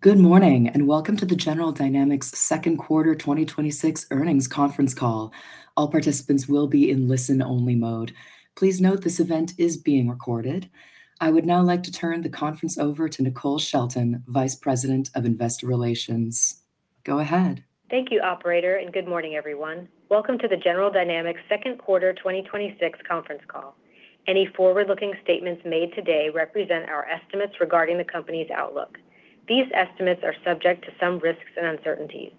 Good morning, welcome to the General Dynamics second quarter 2026 earnings conference call. All participants will be in listen-only mode. Please note this event is being recorded. I would now like to turn the conference over to Nicole Shelton, vice president of investor relations. Go ahead. Thank you operator, good morning everyone. Welcome to the General Dynamics second quarter 2026 conference call. Any forward-looking statements made today represent our estimates regarding the company's outlook. These estimates are subject to some risks and uncertainties.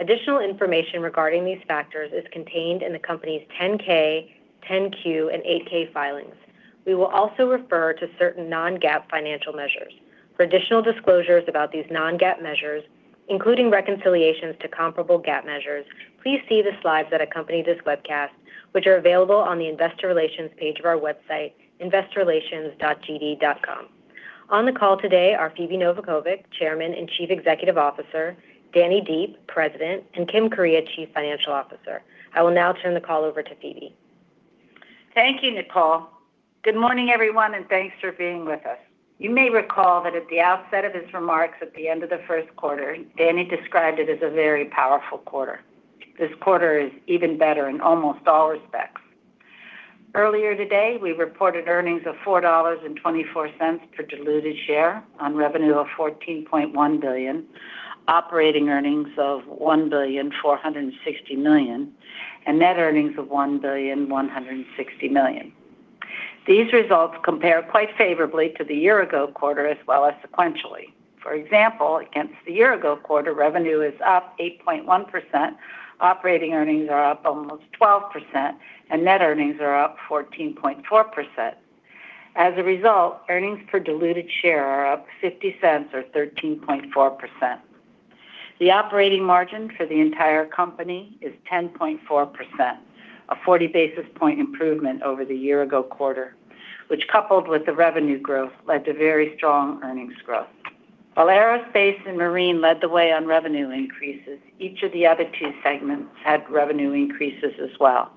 Additional information regarding these factors is contained in the company's 10-K, 10-Q, and 8-K filings. We will also refer to certain non-GAAP financial measures. For additional disclosures about these non-GAAP measures, including reconciliations to comparable GAAP measures, please see the slides that accompany this webcast, which are available on the investor relations page of our website, investorrelations.gd.com. On the call today are Phebe Novakovic, Chairman and Chief Executive Officer, Danny Deep, President, and Kim Kuryea, Chief Financial Officer. I will now turn the call over to Phebe. Thank you, Nicole. Good morning everyone, thanks for being with us. You may recall that at the outset of his remarks at the end of the first quarter, Danny Deep described it as a very powerful quarter. This quarter is even better in almost all respects. Earlier today, we reported earnings of $4.24 per diluted share on revenue of $14.1 billion, operating earnings of $1.460 billion, and net earnings of $1.160 billion. These results compare quite favorably to the year-ago quarter as well as sequentially. For example, against the year-ago quarter, revenue is up 8.1%, operating earnings are up almost 12%, and net earnings are up 14.4%. As a result, earnings per diluted share are up $0.50 or 13.4%. The operating margin for the entire company is 10.4%, a 40 basis-point improvement over the year-ago quarter, which coupled with the revenue growth, led to very strong earnings growth. While Aerospace and Marine led the way on revenue increases, each of the other two segments had revenue increases as well.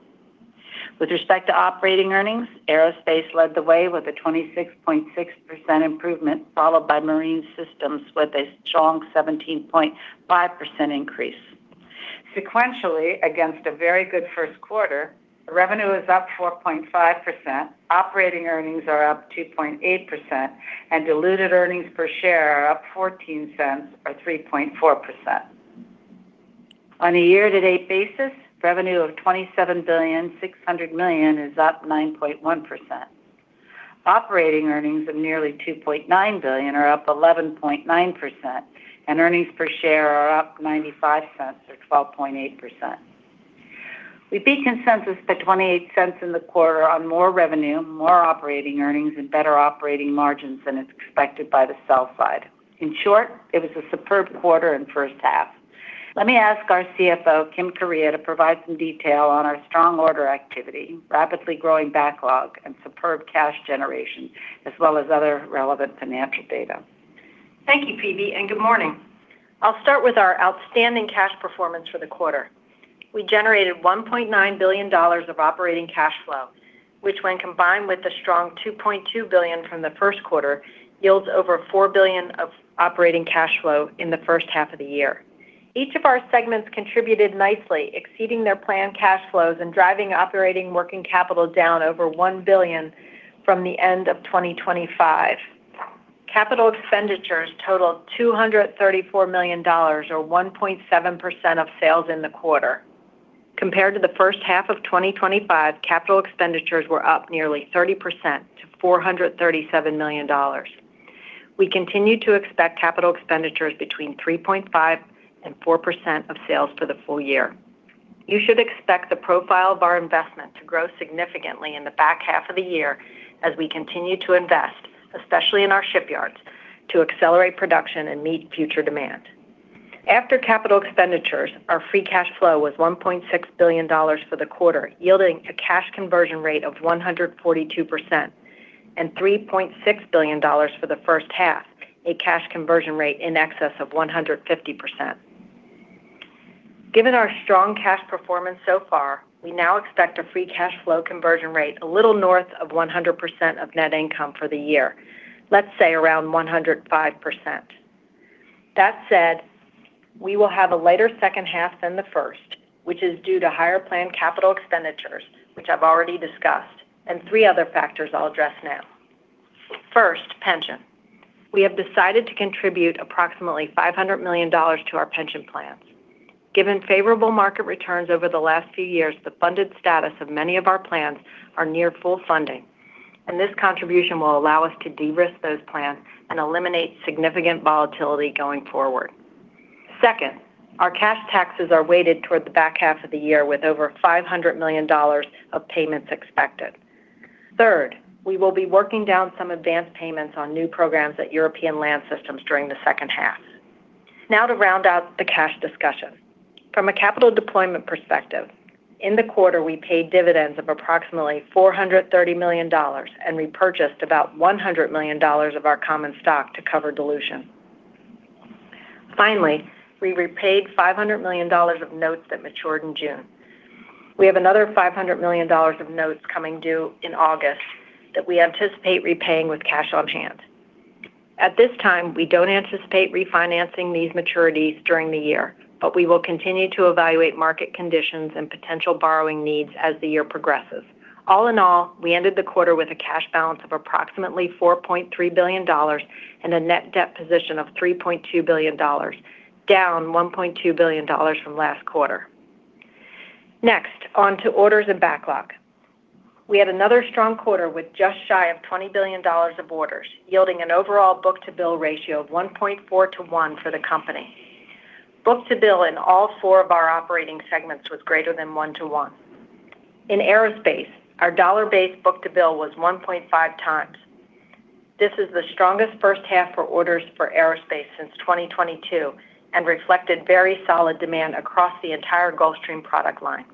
With respect to operating earnings, Aerospace led the way with a 26.6% improvement, followed by Marine Systems with a strong 17.5% increase. Sequentially, against a very good first quarter, revenue is up 4.5%, operating earnings are up 2.8%, and diluted earnings per share are up $0.14 or 3.4%. On a year-to-date basis, revenue of $27.6 billion is up 9.1%. Operating earnings of nearly $2.9 billion are up 11.9%, and earnings per share are up $0.95 or 12.8%. We beat consensus by $0.28 in the quarter on more revenue, more operating earnings, and better operating margins than is expected by the sell side. In short, it was a superb quarter and first half. Let me ask our CFO, Kim Kuryea, to provide some detail on our strong order activity, rapidly growing backlog, and superb cash generation, as well as other relevant financial data. Thank you, Phebe, and good morning. I'll start with our outstanding cash performance for the quarter. We generated $1.9 billion of operating cash flow, which when combined with the strong $2.2 billion from the first quarter, yields over $4 billion of operating cash flow in the first half of the year. Each of our segments contributed nicely, exceeding their planned cash flows and driving operating working capital down over $1 billion from the end of 2025. Capital expenditures totaled $234 million, or 1.7% of sales in the quarter. Compared to the first half of 2025, capital expenditures were up nearly 30% to $437 million. We continue to expect capital expenditures between 3.5% and 4% of sales for the full-year. You should expect the profile of our investment to grow significantly in the back half of the year as we continue to invest, especially in our shipyards, to accelerate production and meet future demand. After capital expenditures, our free cash flow was $1.6 billion for the quarter, yielding a cash conversion rate of 142%, and $3.6 billion for the first half, a cash conversion rate in excess of 150%. Given our strong cash performance so far, we now expect a free cash flow conversion rate a little north of 100% of net income for the year. Let's say around 105%. That said, we will have a lighter second half than the first, which is due to higher planned capital expenditures, which I've already discussed, and three other factors I'll address now. First, pension. We have decided to contribute approximately $500 million to our pension plans. Given favorable market returns over the last few years, the funded status of many of our plans are near full funding, and this contribution will allow us to de-risk those plans and eliminate significant volatility going forward. Second, our cash taxes are weighted toward the back half of the year, with over $500 million of payments expected. Third, we will be working down some advanced payments on new programs at European Land Systems during the second half. To round out the cash discussion. From a capital deployment perspective, in the quarter, we paid dividends of approximately $430 million and repurchased about $100 million of our common stock to cover dilution. Finally, we repaid $500 million of notes that matured in June We have another $500 million of notes coming due in August that we anticipate repaying with cash on hand. At this time, we don't anticipate refinancing these maturities during the year, but we will continue to evaluate market conditions and potential borrowing needs as the year progresses. All in all, we ended the quarter with a cash balance of approximately $4.3 billion and a net debt position of $3.2 billion, down $1.2 billion from last quarter. Next, on to orders and backlog. We had another strong quarter with just shy of $20 billion of orders, yielding an overall book-to-bill ratio of 1.4x to 1x for the company. Book-to-bill in all four of our operating segments was greater than 1x to 1x. In aerospace, our dollar-based book-to-bill was 1.5x. This is the strongest first half for orders for aerospace since 2022 and reflected very solid demand across the entire Gulfstream product line.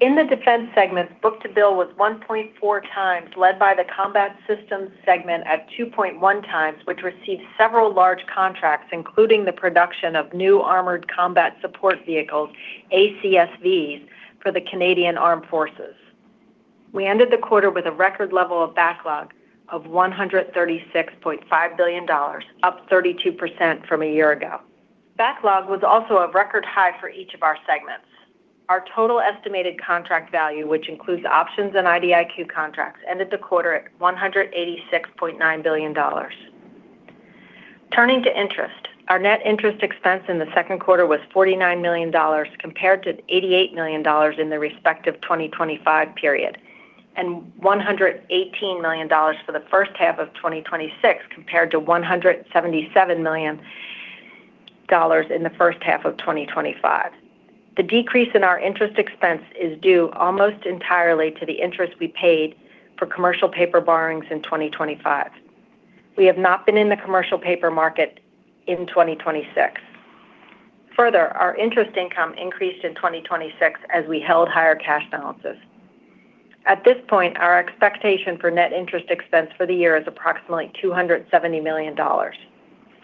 In the defense segment, book-to-bill was 1.4x, led by the combat systems segment at 2.1x, which received several large contracts, including the production of new Armored Combat Support Vehicles, ACSVs, for the Canadian Armed Forces. We ended the quarter with a record level of backlog of $136.5 billion, up 32% from a year ago. Backlog was also a record high for each of our segments. Our total estimated contract value, which includes options and IDIQ contracts, ended the quarter at $186.9 billion. Turning to interest. Our net interest expense in the second quarter was $49 million compared to $88 million in the respective 2025 period, and $118 million for the first half of 2026, compared to $177 million in the first half of 2025. The decrease in our interest expense is due almost entirely to the interest we paid for commercial paper borrowings in 2025. We have not been in the commercial paper market in 2026. Further, our interest income increased in 2026 as we held higher cash balances. At this point, our expectation for net interest expense for the year is approximately $270 million.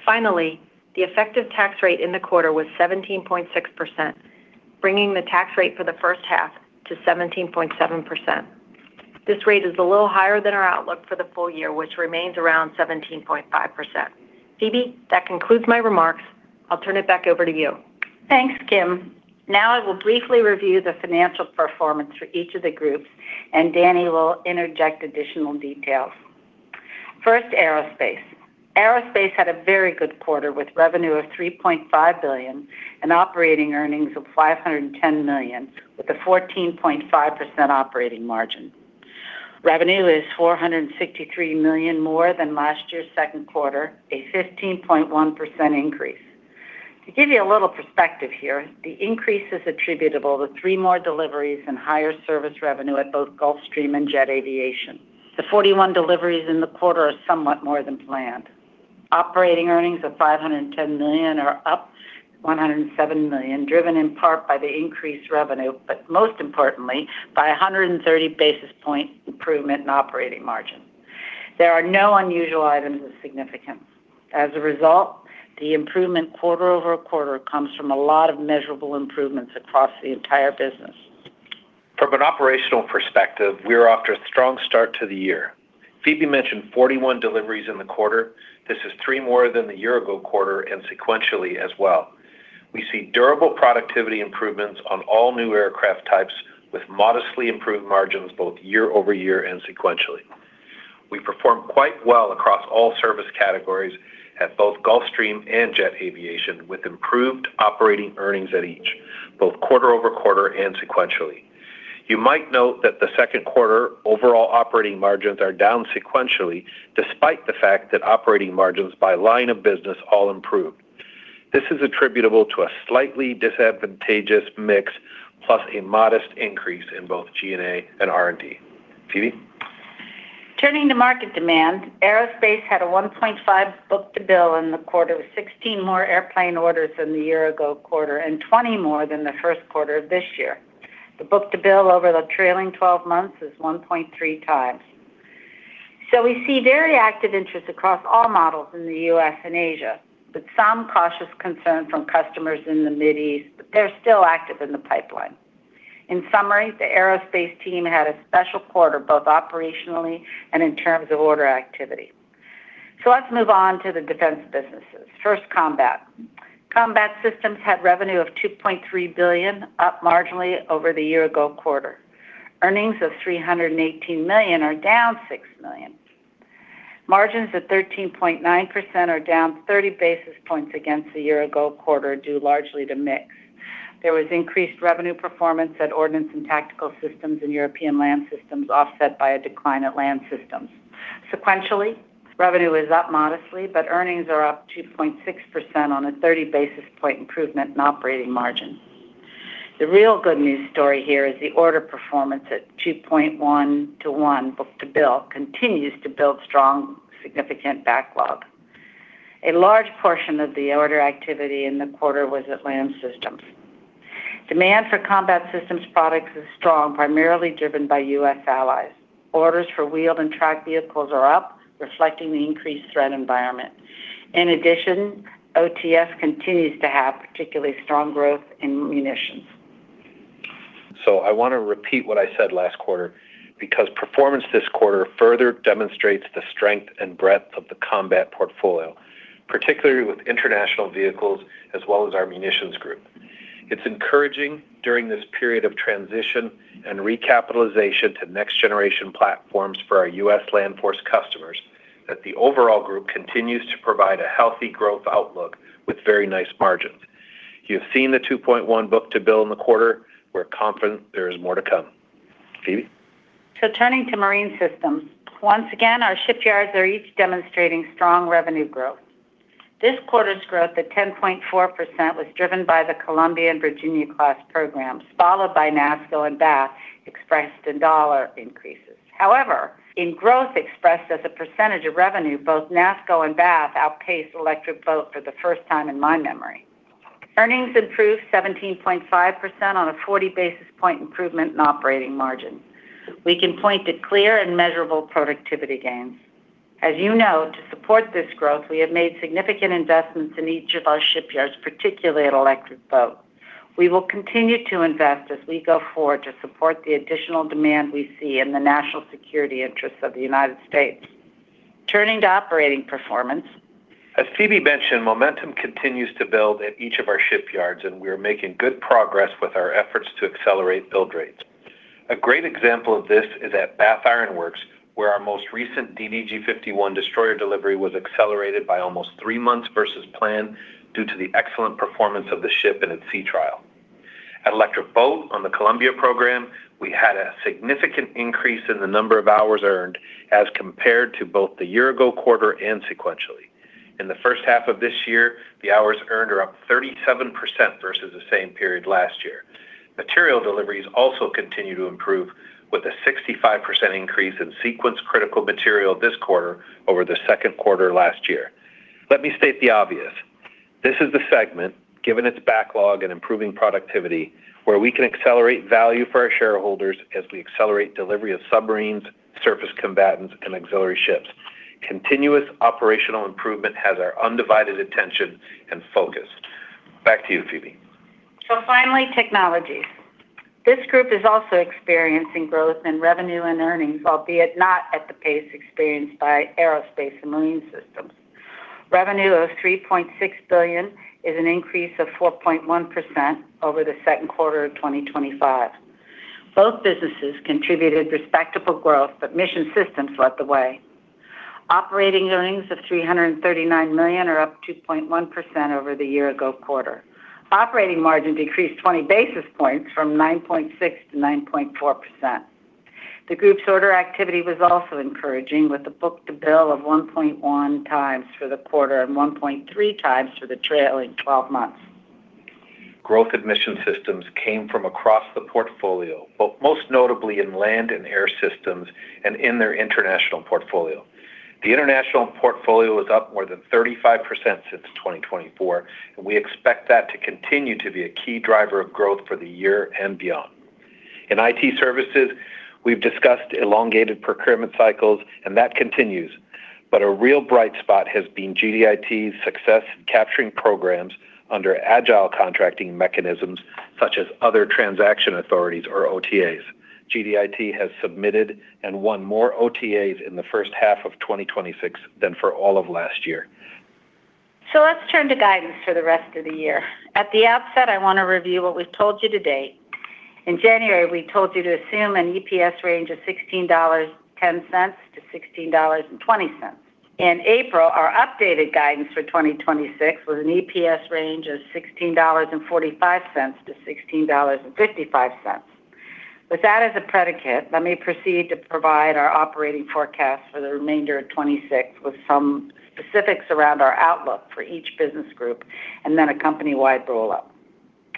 Finally, the effective tax rate in the quarter was 17.6%, bringing the tax rate for the first half to 17.7%. This rate is a little higher than our outlook for the full-year, which remains around 17.5%. Phebe, that concludes my remarks. I'll turn it back over to you. Thanks, Kim. Now I will briefly review the financial performance for each of the groups, and Danny will interject additional details. First, aerospace. Aerospace had a very good quarter with revenue of $3.5 billion and operating earnings of $510 million, with a 14.5% operating margin. Revenue is $463 million more than last year's second quarter, a 15.1% increase. To give you a little perspective here, the increase is attributable to three more deliveries and higher service revenue at both Gulfstream and Jet Aviation. The 41 deliveries in the quarter are somewhat more than planned. Operating earnings of $510 million are up $107 million, driven in part by the increased revenue, but most importantly by 130 basis points improvement in operating margin. There are no unusual items of significance. As a result, the improvement quarter-over-quarter comes from a lot of measurable improvements across the entire business. From an operational perspective, we're off to a strong start to the year. Phebe mentioned 41 deliveries in the quarter. This is three more than the year-ago quarter and sequentially as well. We see durable productivity improvements on all new aircraft types with modestly improved margins both year-over-year and sequentially. We performed quite well across all service categories at both Gulfstream and Jet Aviation, with improved operating earnings at each, both quarter-over-quarter and sequentially. You might note that the second quarter overall operating margins are down sequentially, despite the fact that operating margins by line of business all improved. This is attributable to a slightly disadvantageous mix plus a modest increase in both G&A and R&D. Phebe. Turning to market demand, aerospace had a 1.5x book-to-bill in the quarter with 16 more airplane orders than the year-ago quarter and 20 more than the first quarter of this year. The book-to-bill over the trailing 12 months is 1.3x. We see very active interest across all models in the U.S. and Asia, with some cautious concern from customers in the Mideast, but they're still active in the pipeline. In summary, the aerospace team had a special quarter, both operationally and in terms of order activity. Let's move on to the defense businesses. First, Combat Systems. Combat Systems had revenue of $2.3 billion, up marginally over the year-ago quarter. Earnings of $318 million are down $6 million. Margins at 13.9% are down 30 basis points against the year-ago quarter, due largely to mix. There was increased revenue performance at Ordnance and Tactical Systems and European Land Systems, offset by a decline at Land Systems. Sequentially, revenue is up modestly, but earnings are up 2.6% on a 30 basis point improvement in operating margin. The real good news story here is the order performance at 2.1x to 1x book-to-bill continues to build strong, significant backlog. A large portion of the order activity in the quarter was at Land Systems. Demand for Combat Systems products is strong, primarily driven by US allies. In addition, OTS continues to have particularly strong growth in munitions. I want to repeat what I said last quarter because performance this quarter further demonstrates the strength and breadth of the combat portfolio, particularly with international vehicles as well as our munitions group. It's encouraging during this period of transition and recapitalization to next generation platforms for our U.S. land force customers that the overall group continues to provide a healthy growth outlook with very nice margins. You have seen the 2.1 book-to-bill in the quarter. We're confident there is more to come. Phebe. Turning to Marine Systems. Once again, our shipyards are each demonstrating strong revenue growth. This quarter's growth at 10.4% was driven by the Columbia-class and Virginia-class programs, followed by NASSCO and Bath expressed in dollar increases. However, in growth expressed as a percentage of revenue, both NASSCO and Bath outpaced Electric Boat for the first time in my memory. Earnings improved 17.5% on a 40-basis-point improvement in operating margin. We can point to clear and measurable productivity gains. As you know, to support this growth, we have made significant investments in each of our shipyards, particularly at Electric Boat. We will continue to invest as we go forward to support the additional demand we see in the national security interests of the United States. Turning to operating performance. As Phebe mentioned, momentum continues to build at each of our shipyards, and we are making good progress with our efforts to accelerate build rates. A great example of this is at Bath Iron Works, where our most recent DDG 51 destroyer delivery was accelerated by almost three months versus plan due to the excellent performance of the ship in its sea trial. At Electric Boat on the Columbia program, we had a significant increase in the number of hours earned as compared to both the year ago quarter and sequentially. In the first half of this year, the hours earned are up 37% versus the same period last year. Material deliveries also continue to improve with a 65% increase in sequence-critical material this quarter over the second quarter last year. Let me state the obvious. This is the segment, given its backlog and improving productivity, where we can accelerate value for our shareholders as we accelerate delivery of submarines, surface combatants, and auxiliary ships. Continuous operational improvement has our undivided attention and focus. Back to you, Phebe. Finally, Technologies. This group is also experiencing growth in revenue and earnings, albeit not at the pace experienced by Aerospace and Marine Systems. Revenue of $3.6 billion is an increase of 4.1% over the second quarter of 2025. Both businesses contributed respectable growth, but Mission Systems led the way. Operating earnings of $339 million are up 2.1% over the year ago quarter. Operating margin decreased 20 basis points from 9.6% to 9.4%. The group's order activity was also encouraging with the book-to-bill of 1.1x for the quarter and 1.3 times for the trailing 12 months. Growth in Mission Systems came from across the portfolio, but most notably in Land Systems and air systems and in their international portfolio. The international portfolio is up more than 35% since 2024, and we expect that to continue to be a key driver of growth for the year and beyond. In IT services, we've discussed elongated procurement cycles, and that continues. A real bright spot has been GDIT's success capturing programs under agile contracting mechanisms such as Other Transaction Authorities or OTAs. GDIT has submitted and won more OTAs in the first half of 2026 than for all of last year. Let's turn to guidance for the rest of the year. At the outset, I want to review what we've told you to date. In January, we told you to assume an EPS range of $16.10-$16.20. In April, our updated guidance for 2026 was an EPS range of $16.45-$16.55. With that as a predicate, let me proceed to provide our operating forecast for the remainder of 2026 with some specifics around our outlook for each business group and then a company-wide roll-up.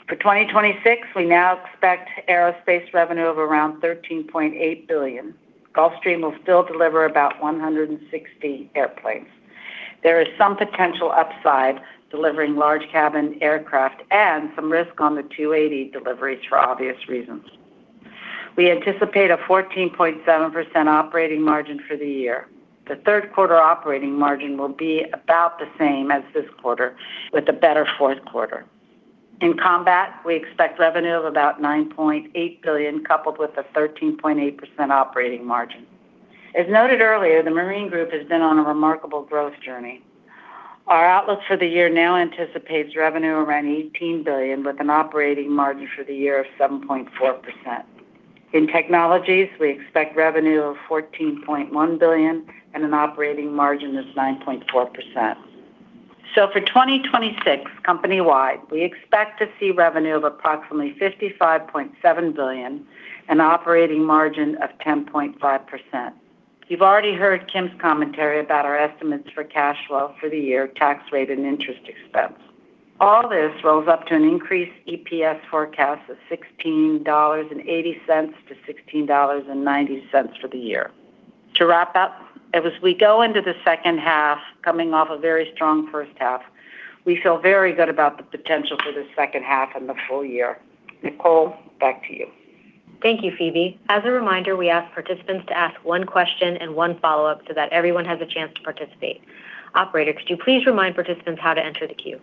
For 2026, we now expect aerospace revenue of around $13.8 billion. Gulfstream will still deliver about 160 airplanes. There is some potential upside delivering large cabin aircraft and some risk on the G280 deliveries for obvious reasons. We anticipate a 14.7% operating margin for the year. The third quarter operating margin will be about the same as this quarter with a better fourth quarter. In Combat, we expect revenue of about $9.8 billion, coupled with a 13.8% operating margin. As noted earlier, the Marine Group has been on a remarkable growth journey. Our outlook for the year now anticipates revenue around $18 billion with an operating margin for the year of 7.4%. In Technologies, we expect revenue of $14.1 billion and an operating margin of 9.4%. For 2026 company-wide, we expect to see revenue of approximately $55.7 billion and operating margin of 10.5%. You've already heard Kim's commentary about our estimates for cash flow for the year, tax rate, and interest expense. All this rolls up to an increased EPS forecast of $16.80-$16.90 for the year. To wrap up, as we go into the second half, coming off a very strong first half, we feel very good about the potential for the second half and the full-year. Nicole, back to you. Thank you, Phebe. As a reminder, we ask participants to ask one question and one follow-up so that everyone has a chance to participate. Operator, could you please remind participants how to enter the queue?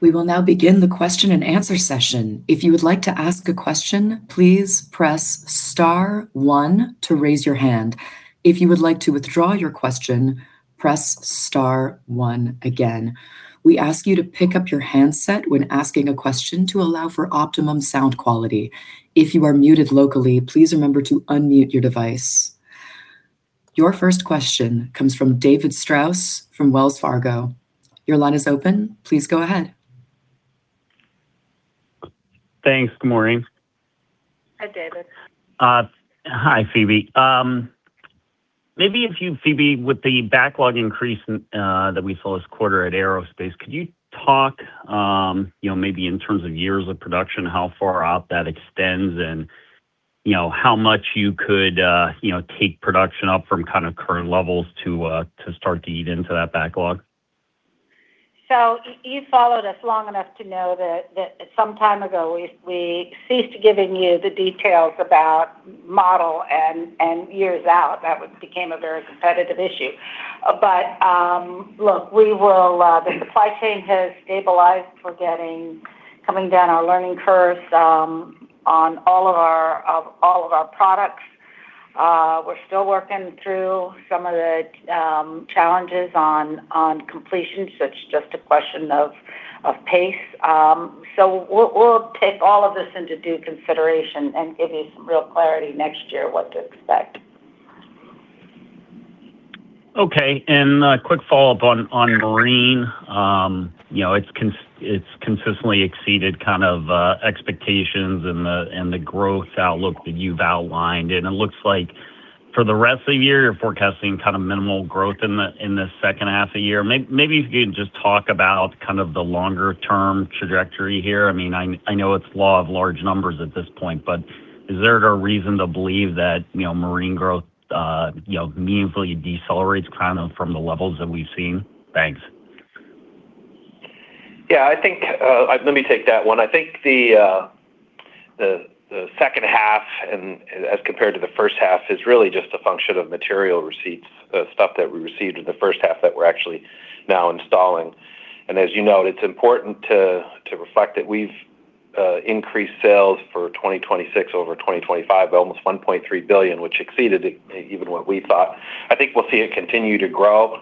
We will now begin the question and answer session. If you would like to ask a question, please press star one to raise your hand. If you would like to withdraw your question, press star one again. We ask you to pick up your handset when asking a question to allow for optimum sound quality. If you are muted locally, please remember to unmute your device. Your first question comes from David Strauss from Wells Fargo. Your line is open. Please go ahead. Thanks. Good morning. Hi, David. Hi, Phebe. Maybe if you, Phebe, with the backlog increase that we saw this quarter at Aerospace, could you talk maybe in terms of years of production, how far out that extends, and how much you could take production up from current levels to start to eat into that backlog? You've followed us long enough to know that some time ago, we ceased giving you the details about model and years out. That became a very competitive issue. Look, the supply chain has stabilized. We're coming down our learning curves on all of our products. We're still working through some of the challenges on completion, it's just a question of pace. We'll take all of this into due consideration and give you some real clarity next year what to expect. Okay. A quick follow-up on Marine. It's consistently exceeded expectations and the growth outlook that you've outlined, it looks like for the rest of the year, you're forecasting minimal growth in the second half of the year. Maybe if you could just talk about the longer term trajectory here. I know it's law of large numbers at this point, is there a reason to believe that Marine growth meaningfully decelerates from the levels that we've seen? Thanks. Yeah, let me take that one. I think the second half, as compared to the first half, is really just a function of material receipts, stuff that we received in the first half that we're actually now installing. As you note, it's important to reflect that we've increased sales for 2026 over 2025 by almost $1.3 billion, which exceeded even what we thought. I think we'll see it continue to grow.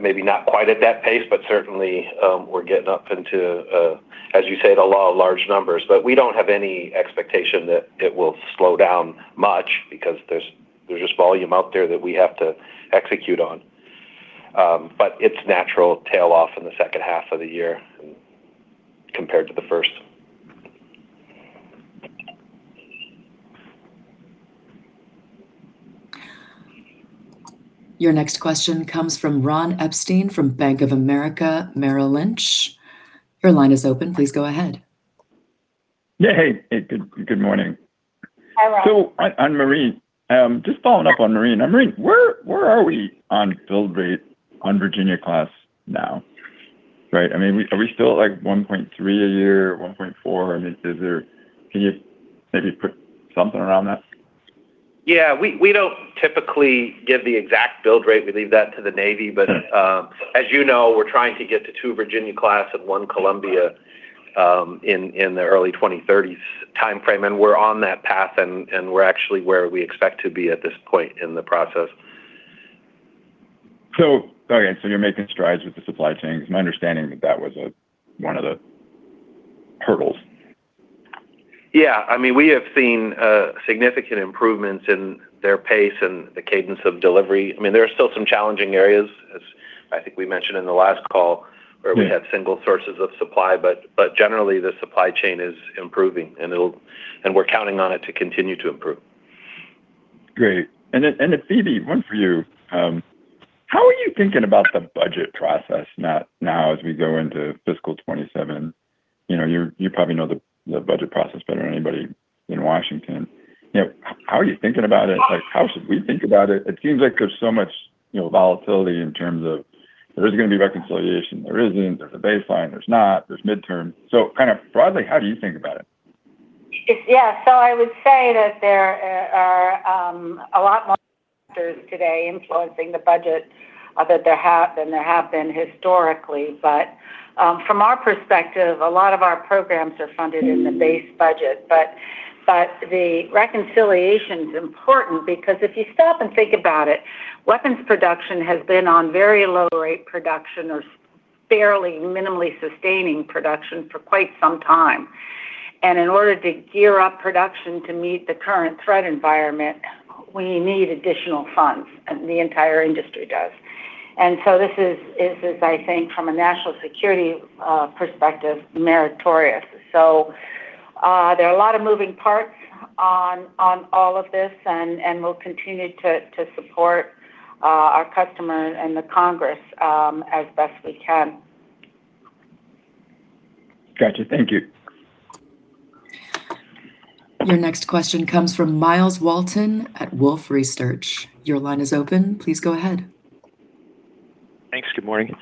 Maybe not quite at that pace, certainly, we're getting up into, as you say, the law of large numbers. We don't have any expectation that it will slow down much because there's just volume out there that we have to execute on. It's natural tail off in the second half of the year compared to the first. Your next question comes from Ron Epstein from Bank of America Merrill Lynch. Your line is open. Please go ahead. Yeah. Hey, good morning. Hi, Ron. On Marine. Just following up on Marine. On Marine, where are we on build rate on Virginia-class submarine now? Are we still at 1.3x a year, 1.4x? Can you maybe put something around that? Yeah. We don't typically give the exact build rate. We leave that to the Navy. As you know, we're trying to get to two Virginia-class and one Columbia-class in the early 2030s timeframe. We're on that path, and we're actually where we expect to be at this point in the process. Okay. You're making strides with the supply chains. My understanding was that was one of the hurdles. Yeah. We have seen significant improvements in their pace and the cadence of delivery. There are still some challenging areas, as I think we mentioned in the last call, where we have single sources of supply. Generally, the supply chain is improving, and we're counting on it to continue to improve. Great. Then, Phebe, one for you. How are you thinking about the budget process now as we go into fiscal 2027? You probably know the budget process better than anybody in Washington. How are you thinking about it? How should we think about it? It seems like there's so much volatility in terms of there's going to be reconciliation, there isn't, there's a baseline, there's not, there's midterm. Kind of broadly, how do you think about it? I would say that there are a lot more factors today influencing the budget than there have been historically. From our perspective, a lot of our programs are funded in the base budget. The reconciliation's important because if you stop and think about it, weapons production has been on very low rate production or fairly minimally sustaining production for quite some time. In order to gear up production to meet the current threat environment, we need additional funds. The entire industry does. This is, I think, from a national security perspective, meritorious. There are a lot of moving parts on all of this, and we'll continue to support our customer and the Congress as best we can. Got you. Thank you. Your next question comes from Myles Walton at Wolfe Research. Your line is open. Please go ahead. Thanks. Good morning.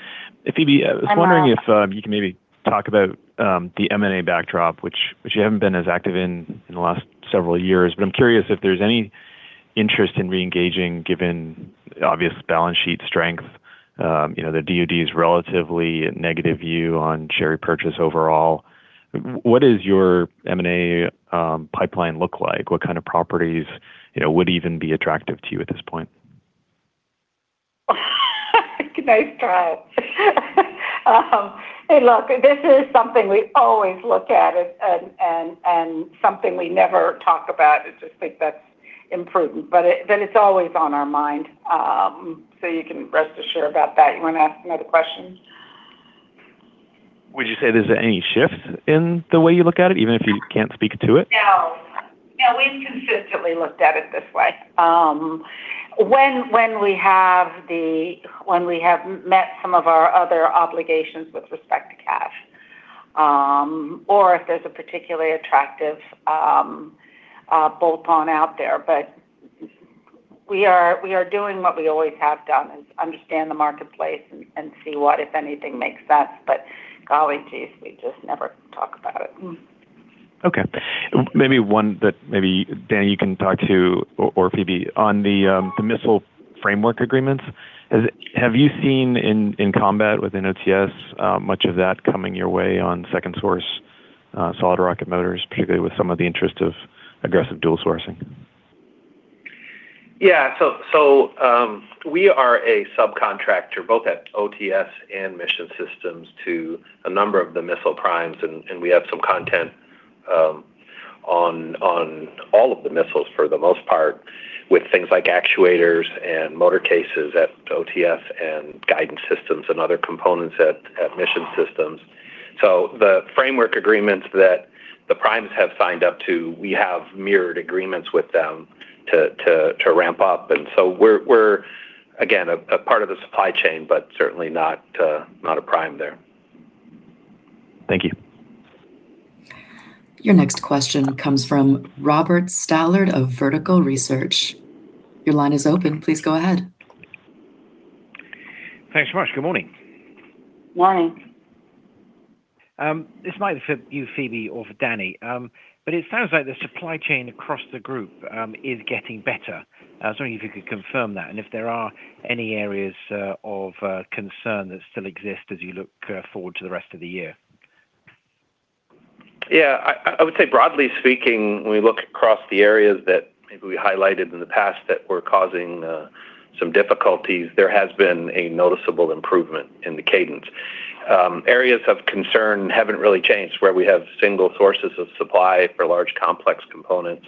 Phebe, I was wondering if you can maybe talk about the M&A backdrop, which you haven't been as active in the last several years. I'm curious if there's any interest in reengaging, given obvious balance sheet strength. The DoD's relatively negative view on share repurchase overall. What does your M&A pipeline look like? What kind of properties would even be attractive to you at this point? Nice try. Hey, look, this is something we always look at and something we never talk about. I just think that's imprudent. It's always on our mind, so you can rest assured about that. You want to ask another question? Would you say there's any shift in the way you look at it, even if you can't speak to it? No. We've consistently looked at it this way. When we have met some of our other obligations with respect to cash, or if there's a particularly attractive bolt-on out there. We are doing what we always have done, is understand the marketplace and see what, if anything, makes sense. Golly geez, we just never talk about it. Okay. Maybe one that maybe Danny, you can talk to, or Phebe. On the missile framework agreements, have you seen in combat with OTS, much of that coming your way on second source solid rocket motors, particularly with some of the interest of aggressive dual sourcing? We are a subcontractor, both at OTS and Mission Systems to a number of the missile primes. We have some content on all of the missiles, for the most part, with things like actuators and motor cases at OTS, and guidance systems and other components at Mission Systems. The framework agreements that the primes have signed up to, we have mirrored agreements with them to ramp up. We're, again, a part of the supply chain, but certainly not a prime there. Thank you. Your next question comes from Robert Stallard of Vertical Research. Your line is open. Please go ahead. Thanks very much. Good morning. Morning. This might be for you, Phebe, or for Danny. It sounds like the supply chain across the group is getting better. I was wondering if you could confirm that, and if there are any areas of concern that still exist as you look forward to the rest of the year. Yeah. I would say broadly speaking, when we look across the areas that maybe we highlighted in the past that were causing some difficulties, there has been a noticeable improvement in the cadence. Areas of concern haven't really changed, where we have single sources of supply for large, complex components,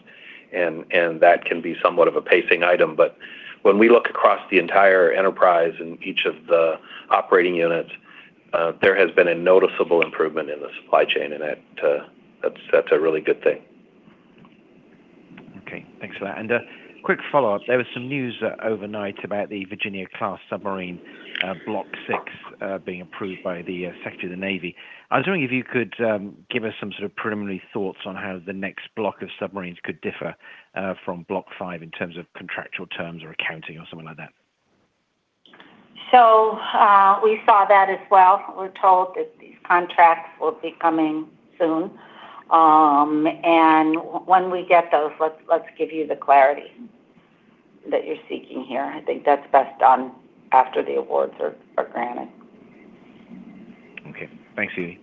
and that can be somewhat of a pacing item. When we look across the entire enterprise in each of the operating units, there has been a noticeable improvement in the supply chain, and that's a really good thing. Okay. Thanks for that. A quick follow-up. There was some news overnight about the Virginia-class submarine Block VI being approved by the Secretary of the Navy. I was wondering if you could give us some sort of preliminary thoughts on how the next block of submarines could differ from Block V in terms of contractual terms or accounting or something like that. We saw that as well. We're told that these contracts will be coming soon. When we get those, let's give you the clarity that you're seeking here. I think that's best done after the awards are granted. Okay. Thanks, Phebe.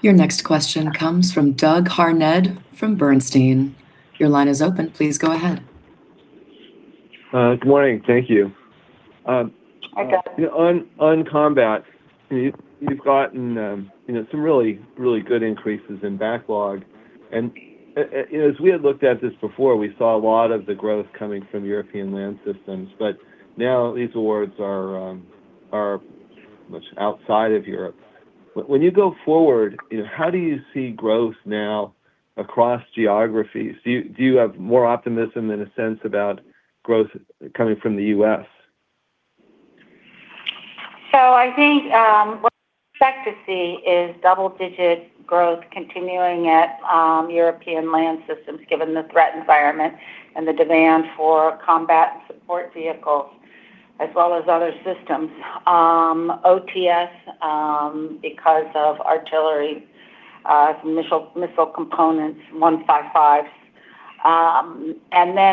Your next question comes from Doug Harned from Bernstein. Your line is open. Please go ahead. Good morning. Thank you. Hi, Doug. On combat, you've gotten some really good increases in backlog. As we had looked at this before, we saw a lot of the growth coming from European Land Systems, but now these awards are much outside of Europe. When you go forward, how do you see growth now across geographies? Do you have more optimism in a sense about growth coming from the U.S.? I think, what we expect to see is double-digit growth continuing at European Land Systems, given the threat environment and the demand for combat support vehicles, as well as other systems. OTS, because of artillery, missile components, 155s.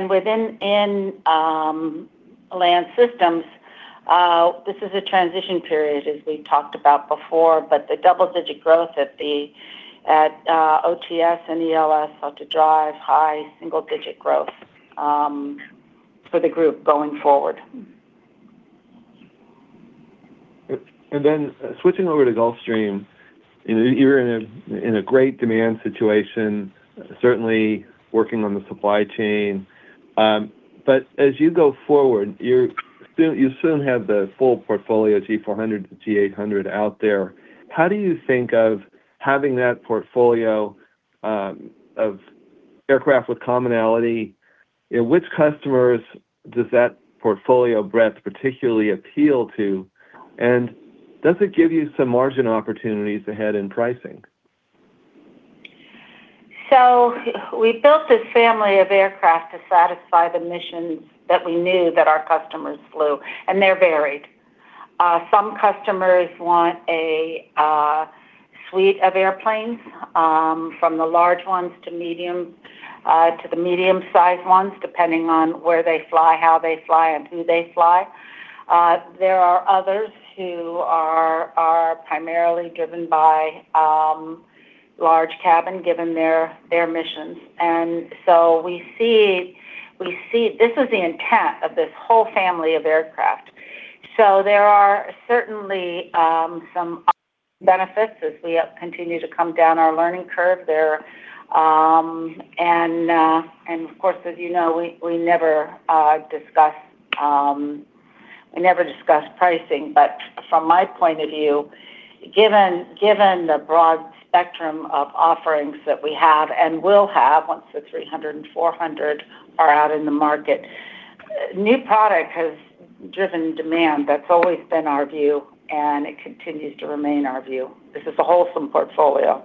Within Land Systems, this is a transition period, as we talked about before, but the double-digit growth at OTS and ELS ought to drive high single-digit growth for the group going forward. Switching over to Gulfstream. You're in a great demand situation, certainly working on the supply chain. As you go forward, you soon have the full portfolio G400 to G800 out there. How do you think of having that portfolio of aircraft with commonality? Which customers does that portfolio breadth particularly appeal to? Does it give you some margin opportunities ahead in pricing? We built this family of aircraft to satisfy the missions that we knew that our customers flew, and they're varied. Some customers want a suite of airplanes, from the large ones to the medium-size ones, depending on where they fly, how they fly, and who they fly. There are others who are primarily driven by large cabin, given their missions. We see this is the intent of this whole family of aircraft. There are certainly some benefits as we continue to come down our learning curve. Of course, as you know, we never discuss pricing. From my point of view, given the broad spectrum of offerings that we have and will have once the 300 and 400 are out in the market, new product has driven demand. That's always been our view, and it continues to remain our view. This is a wholesome portfolio.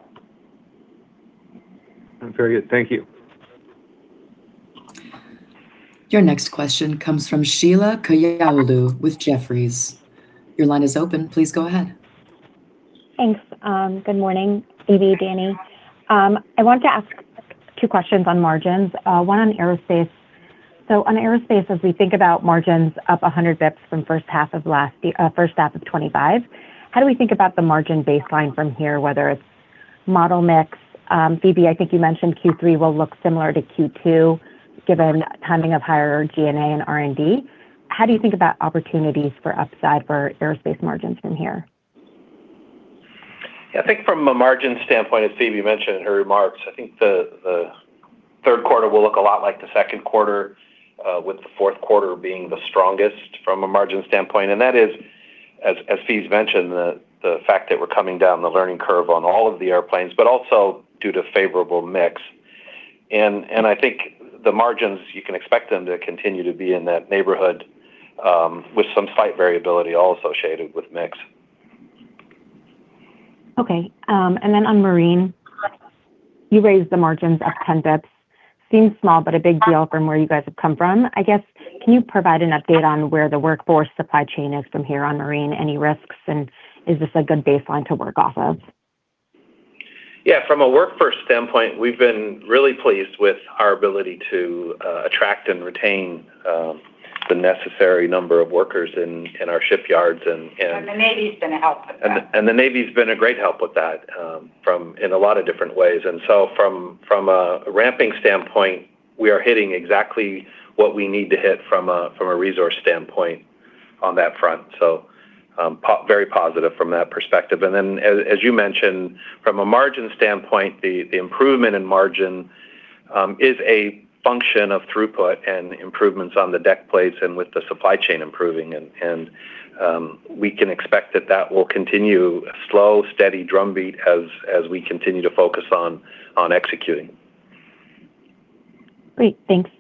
Very good. Thank you. Your next question comes from Sheila Kahyaoglu with Jefferies. Your line is open. Please go ahead. Thanks. Good morning, Phebe, Danny. I wanted to ask two questions on margins, one on aerospace. On aerospace, as we think about margins up 100 basis points from first half of 2025, how do we think about the margin baseline from here, whether it's model mix? Phebe, I think you mentioned Q3 will look similar to Q2, given timing of higher G&A and R&D. How do you think about opportunities for upside for aerospace margins from here? Yeah, I think from a margin standpoint, as Phebe mentioned in her remarks, I think the third quarter will look a lot like the second quarter, with the fourth quarter being the strongest from a margin standpoint. That is, as Phebe mentioned, the fact that we're coming down the learning curve on all of the airplanes, but also due to favorable mix. I think the margins, you can expect them to continue to be in that neighborhood, with some slight variability all associated with mix. Okay. Then on Marine, you raised the margins up 10 basis points. Seems small, but a big deal from where you guys have come from. I guess, can you provide an update on where the workforce supply chain is from here on Marine? Any risks? Is this a good baseline to work off of? Yeah. From a workforce standpoint, we've been really pleased with our ability to attract and retain the necessary number of workers in our shipyards. The Navy's been a help with that. The Navy's been a great help with that in a lot of different ways. From a ramping standpoint, we are hitting exactly what we need to hit from a resource standpoint on that front. Very positive from that perspective. Then as you mentioned, from a margin standpoint, the improvement in margin is a function of throughput and improvements on the deck plates and with the supply chain improving. We can expect that that will continue slow, steady drumbeat as we continue to focus on executing. Great. Thanks.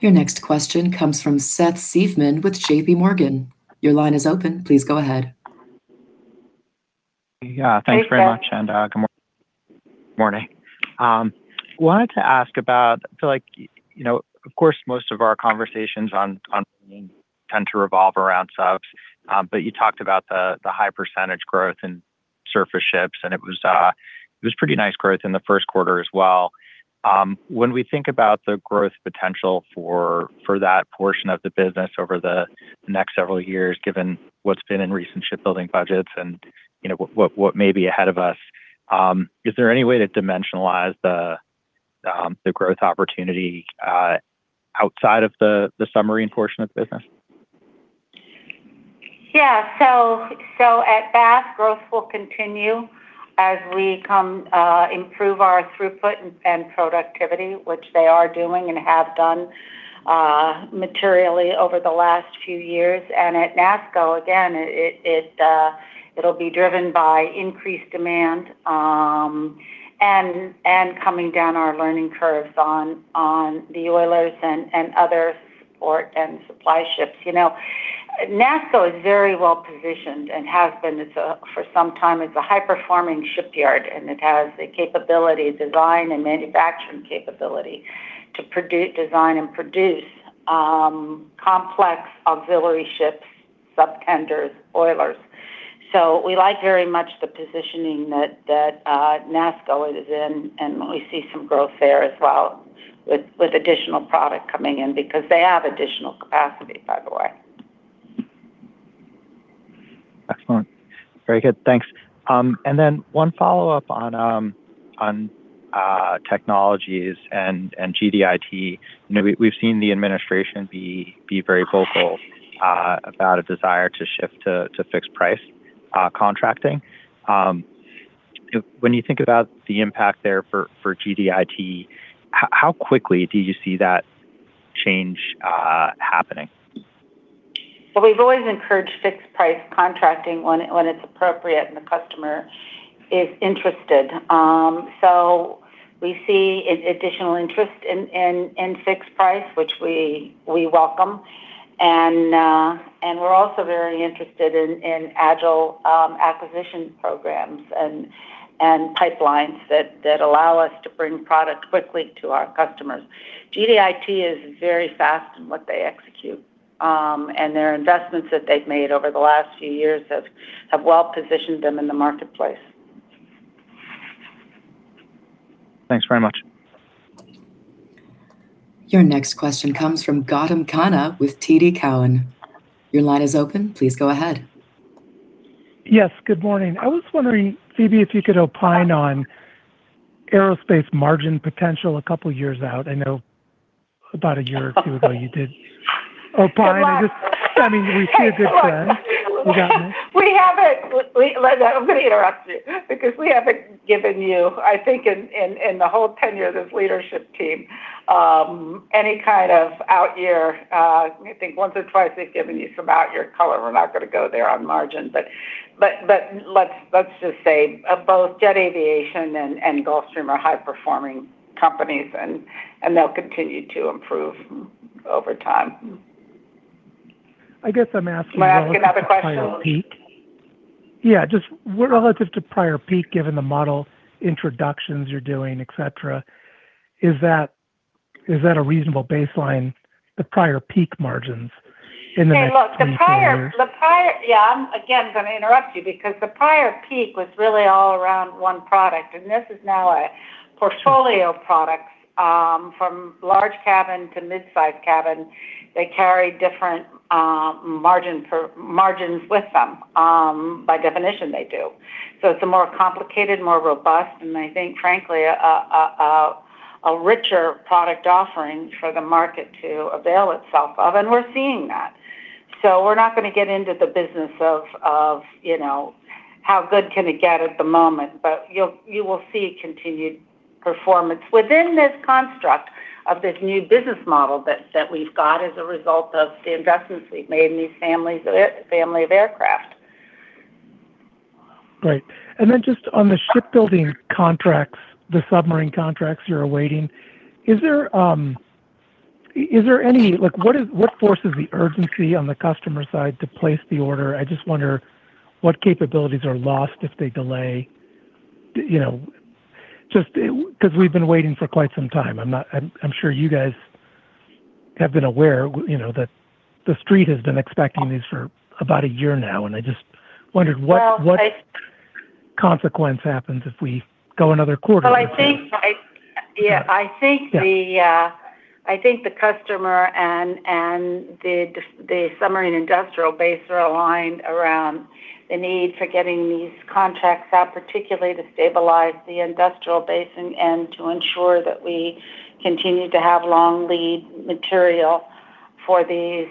Your next question comes from Seth Seifman with JPMorgan. Your line is open. Please go ahead. Hey, Seth. Yeah, thanks very much, and good morning. Wanted to ask about, I feel like, of course, most of our conversations on tend to revolve around subs. You talked about the high percentage growth in surface ships, and it was pretty nice growth in the first quarter as well. When we think about the growth potential for that portion of the business over the next several years, given what's been in recent shipbuilding budgets and what may be ahead of us, is there any way to dimensionalize the growth opportunity outside of the submarine portion of the business? At Bath, growth will continue as we improve our throughput and productivity, which they are doing and have done materially over the last few years. At NASSCO, again, it'll be driven by increased demand and coming down our learning curves on the oilers and other support and supply ships. NASSCO is very well-positioned and has been for some time. It's a high-performing shipyard, and it has the design and manufacturing capability to design and produce complex auxiliary ships, sub tenders, oilers. We like very much the positioning that NASSCO is in, and we see some growth there as well with additional product coming in because they have additional capacity, by the way. Excellent. Very good. Thanks. Then one follow-up on technologies and GDIT. We've seen the administration be very vocal about a desire to shift to fixed-price contracting. When you think about the impact there for GDIT, how quickly do you see that change happening? We've always encouraged fixed-price contracting when it's appropriate and the customer is interested. We see additional interest in fixed price, which we welcome. We're also very interested in agile acquisition programs and pipelines that allow us to bring product quickly to our customers. GDIT is very fast in what they execute. Their investments that they've made over the last few years have well-positioned them in the marketplace. Thanks very much. Your next question comes from Gautam Khanna with TD Cowen. Your line is open. Please go ahead. Yes, good morning. I was wondering, Phebe, if you could opine on aerospace margin potential a couple of years out. I know about a year or two ago you did opine. Hey, Gautam. I mean, we see a good trend, Gautam. I'm going to interrupt you because we haven't given you, I think in the whole tenure of this leadership team, any kind of out-year. I think once or twice we've given you some out-year color. We're not going to go there on margin. Let's just say both Jet Aviation and Gulfstream are high-performing companies, and they'll continue to improve over time. I guess I'm asking. May I ask another question? Relative to prior peak. Yeah. Just relative to prior peak, given the model introductions you're doing, et cetera, is that a reasonable baseline, the prior peak margins in the next 24 months? Okay, look, Yeah, I'm again going to interrupt you because the prior peak was really all around one product, and this is now a portfolio of products from large cabin to mid-size cabin. They carry different margins with them. By definition, they do. It's a more complicated, more robust, and I think frankly, a richer product offering for the market to avail itself of, and we're seeing that. We're not going to get into the business of how good can it get at the moment. You will see continued performance within this construct of this new business model that we've got as a result of the investments we've made in these family of aircraft. Great. Just on the shipbuilding contracts, the submarine contracts you're awaiting, what forces the urgency on the customer side to place the order? I just wonder what capabilities are lost if they delay, just because we've been waiting for quite some time. I'm sure you guys have been aware that the street has been expecting these for about a year now, and I just wondered what Well, I consequence happens if we go another quarter. Yeah. I think the customer and the submarine industrial base are aligned around the need for getting these contracts out, particularly to stabilize the industrial base and to ensure that we continue to have long-lead material for these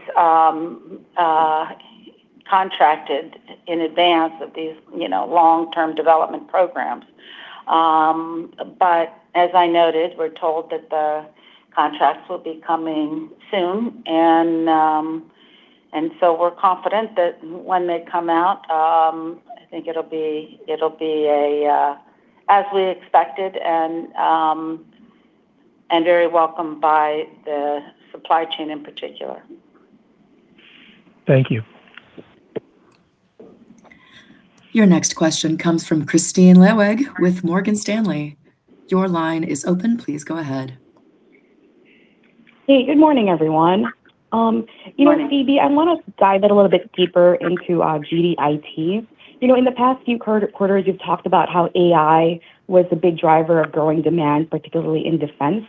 contracted in advance of these long-term development programs. As I noted, we're told that the contracts will be coming soon, and so we're confident that when they come out, I think it'll be as we expected and very welcome by the supply chain in particular. Thank you. Your next question comes from Kristine Liwag with Morgan Stanley. Your line is open. Please go ahead. Hey, good morning, everyone. Good morning. You know what, Phebe, I want to dive in a little bit deeper into GDIT. In the past few quarters, you've talked about how AI was a big driver of growing demand, particularly in defense.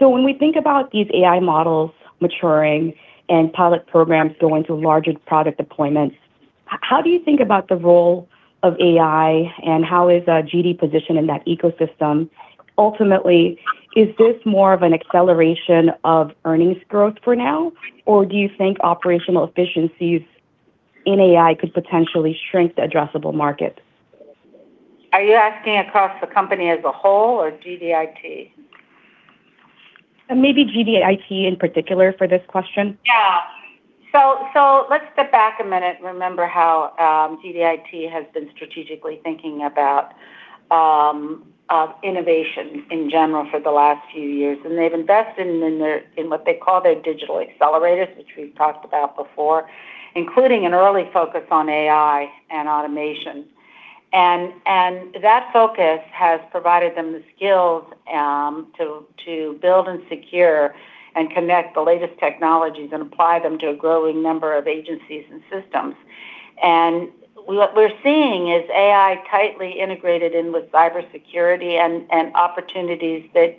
When we think about these AI models maturing and pilot programs going through larger product deployments, how do you think about the role of AI and how is GD positioned in that ecosystem? Ultimately, is this more of an acceleration of earnings growth for now? Or do you think operational efficiencies in AI could potentially shrink the addressable market? Are you asking across the company as a whole or GDIT? Maybe GDIT in particular for this question. Let's step back a minute and remember how GDIT has been strategically thinking about innovation in general for the last few years. They've invested in what they call their digital accelerators, which we've talked about before, including an early focus on AI and automation. That focus has provided them the skills to build and secure and connect the latest technologies and apply them to a growing number of agencies and systems. What we're seeing is AI tightly integrated in with cybersecurity and opportunities that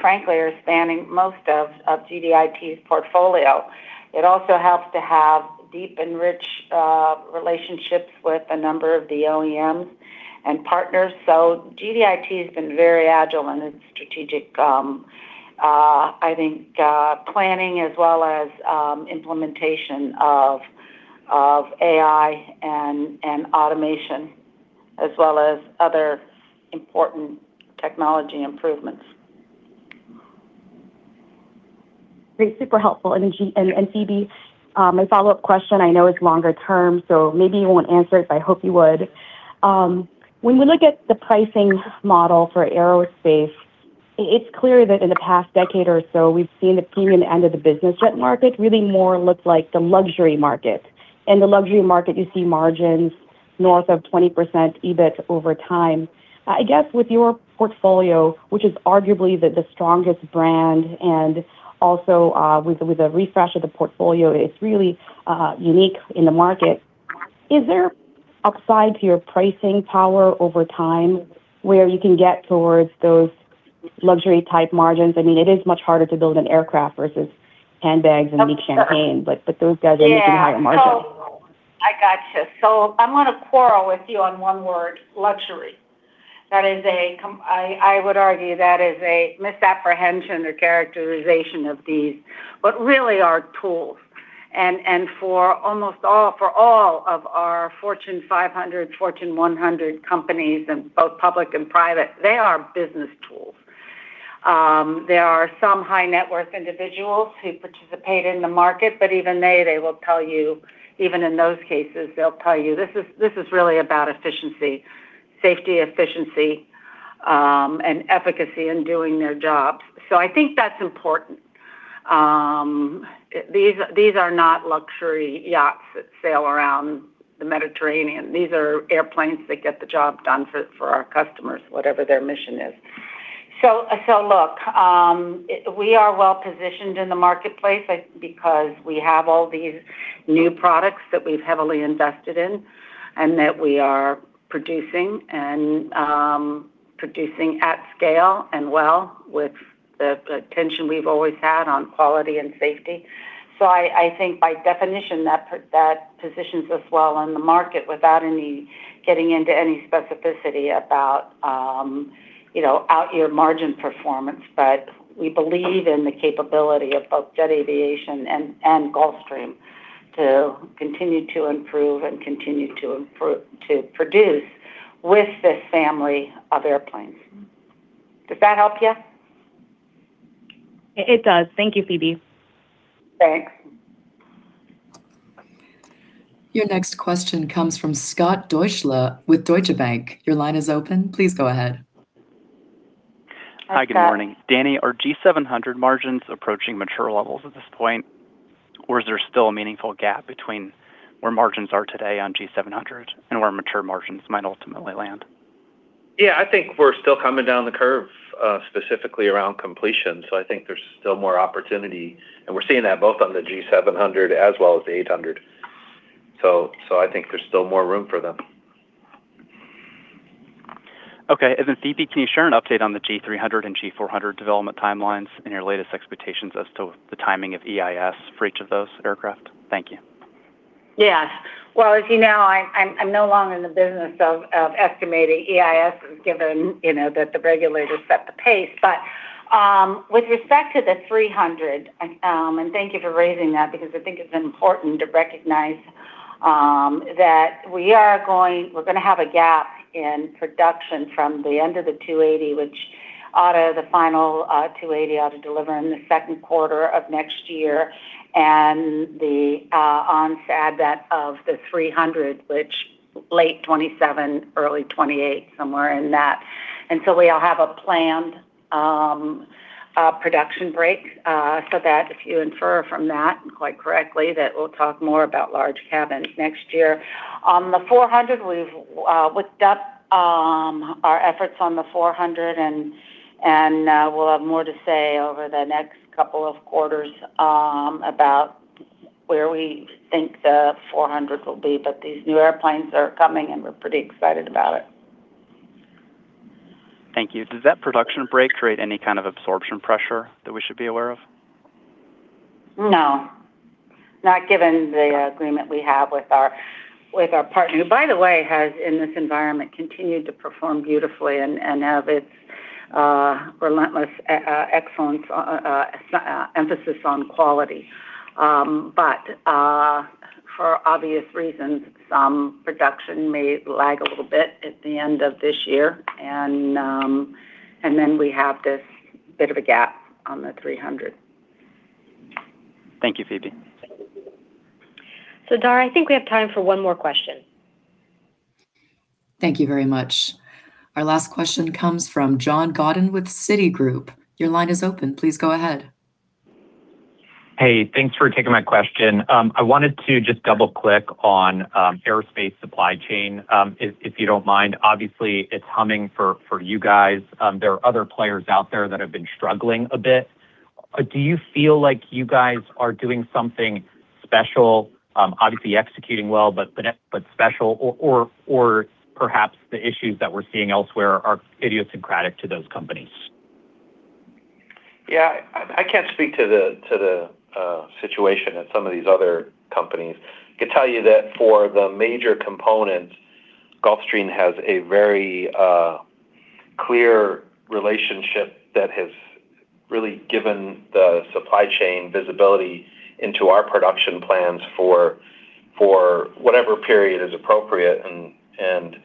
frankly are spanning most of GDIT's portfolio. It also helps to have deep and rich relationships with a number of the OEMs and partners. GDIT has been very agile in its strategic, I think, planning as well as implementation of AI and automation as well as other important technology improvements. Great. Super helpful. Phebe, my follow-up question I know is longer term, so maybe you won't answer it, but I hope you would. When we look at the pricing model for aerospace, it's clear that in the past decade or so, we've seen the premium end of the business jet market really more look like the luxury market. In the luxury market, you see margins north of 20% EBIT over time. I guess with your portfolio, which is arguably the strongest brand and also with a refresh of the portfolio, it's really unique in the market. Is there upside to your pricing power over time where you can get towards those luxury-type margins? It is much harder to build an aircraft versus handbags and Louis Vuitton, but those guys are usually higher margin. I gotcha. I'm going to quarrel with you on one word, luxury. I would argue that is a misapprehension or characterization of these what really are tools and for all of our Fortune 500, Fortune 100 companies, and both public and private, they are business tools. There are some high-net-worth individuals who participate in the market, but even they will tell you, even in those cases, they'll tell you, this is really about efficiency, safety, efficiency, and efficacy in doing their jobs. I think that's important. These are not luxury yachts that sail around the Mediterranean. These are airplanes that get the job done for our customers, whatever their mission is. Look, we are well-positioned in the marketplace because we have all these new products that we've heavily invested in and that we are producing and producing at scale and well with the attention we've always had on quality and safety. I think by definition, that positions us well in the market without getting into any specificity about out-year margin performance. We believe in the capability of both Jet Aviation and Gulfstream to continue to improve and continue to produce with this family of airplanes. Does that help you? It does. Thank you, Phebe. Thanks. Your next question comes from Scott Deuschle with Deutsche Bank. Your line is open. Please go ahead. Hi, Scott. Hi, good morning. Danny, are G700 margins approaching mature levels at this point? Or is there still a meaningful gap between where margins are today on G700 and where mature margins might ultimately land? Yeah, I think we're still coming down the curve, specifically around completion. I think there's still more opportunity, and we're seeing that both on the G700 as well as the G800. I think there's still more room for them. Okay. Then Phebe, can you share an update on the G300 and G400 development timelines and your latest expectations as to the timing of EIS for each of those aircraft? Thank you. Yes. Well, as you know, I'm no longer in the business of estimating EIS, given that the regulators set the pace. With respect to the 300, and thank you for raising that because I think it's important to recognize that we're going to have a gap in production from the end of the G280, which the final G280 ought to deliver in the second quarter of next year. The onset of that of the 300, which late 2027, early 2028, somewhere in that. So we'll have a planned production break for that. If you infer from that quite correctly, that we'll talk more about large cabins next year. On the 400, we've whipped up our efforts on the 400, we'll have more to say over the next couple of quarters about where we think the 400 will be. These new airplanes are coming, and we're pretty excited about it. Thank you. Does that production break create any kind of absorption pressure that we should be aware of? No. Not given the agreement we have with our partner, who by the way has, in this environment, continued to perform beautifully and have its relentless excellence emphasis on quality. For obvious reasons, some production may lag a little bit at the end of this year, and then we have this bit of a gap on the 300. Thank you, Phebe. Dara, I think we have time for one more question. Thank you very much. Our last question comes from John Godyn with Citigroup. Your line is open. Please go ahead. Hey, thanks for taking my question. I wanted to just double-click on aerospace supply chain, if you don't mind. Obviously, it's humming for you guys. There are other players out there that have been struggling a bit. Do you feel like you guys are doing something special? Obviously executing well, but special, or perhaps the issues that we're seeing elsewhere are idiosyncratic to those companies? Yeah. I can't speak to the situation at some of these other companies. I can tell you that for the major components, Gulfstream has a very clear relationship that has really given the supply chain visibility into our production plans for whatever period is appropriate and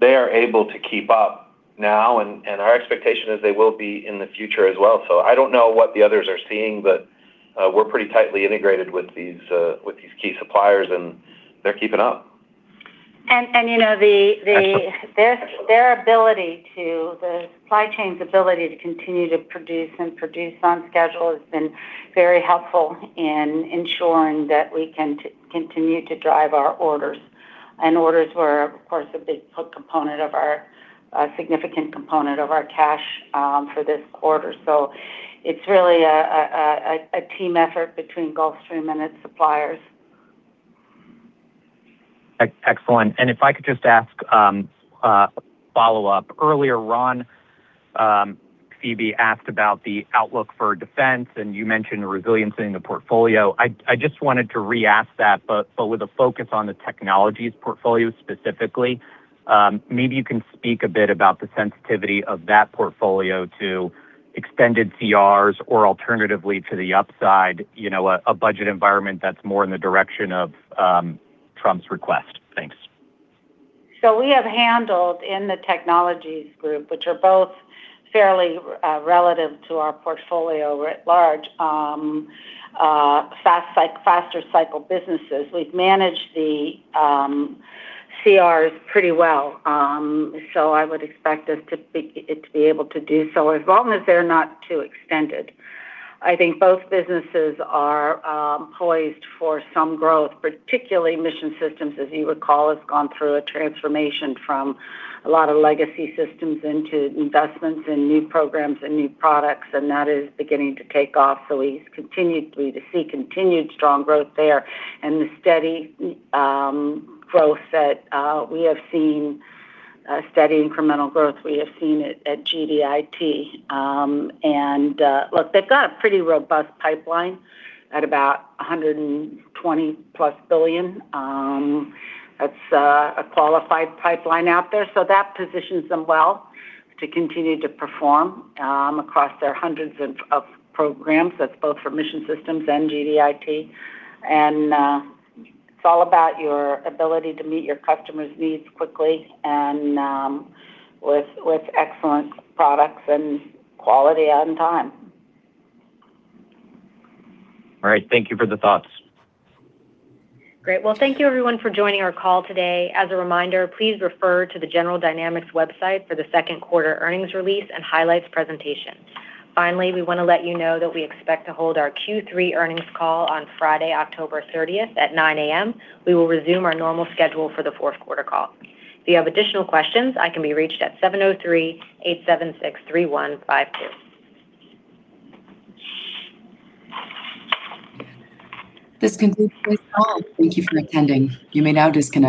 they are able to keep up now, and our expectation is they will be in the future as well. I don't know what the others are seeing, but we're pretty tightly integrated with these key suppliers, and they're keeping up. The supply chain's ability to continue to produce and produce on schedule has been very helpful in ensuring that we can continue to drive our orders. Orders were, of course, a big component of our, a significant component of our cash for this quarter. It's really a team effort between Gulfstream and its suppliers. Excellent. If I could just ask a follow-up. Earlier, Ron Phebe asked about the outlook for defense, and you mentioned resiliency in the portfolio. I just wanted to re-ask that, but with a focus on the technologies portfolio specifically. Maybe you can speak a bit about the sensitivity of that portfolio to extended CRs or alternatively to the upside, a budget environment that's more in the direction of Trump's request. Thanks. We have handled in the technologies group, which are both fairly relative to our portfolio writ large, faster cycle businesses. We've managed the CRs pretty well, so I would expect it to be able to do so, as long as they're not too extended. I think both businesses are poised for some growth, particularly Mission Systems, as you recall, has gone through a transformation from a lot of legacy systems into investments in new programs and new products, and that is beginning to take off. We continue to see continued strong growth there and the steady growth that we have seen, steady incremental growth we have seen at GDIT. Look, they've got a pretty robust pipeline at about $120+ billion. That's a qualified pipeline out there, so that positions them well to continue to perform across their hundreds of programs. That's both for Mission Systems and GDIT. It's all about your ability to meet your customers' needs quickly and with excellent products and quality on time. All right. Thank you for the thoughts. Great. Well, thank you everyone for joining our call today. As a reminder, please refer to the General Dynamics website for the second quarter earnings release and highlights presentation. Finally, we want to let you know that we expect to hold our Q3 earnings call on Friday, October 30th at 9:00 A.M. We will resume our normal schedule for the fourth quarter call. If you have additional questions, I can be reached at 703-876-3152. This concludes this call. Thank you for attending. You may now disconnect.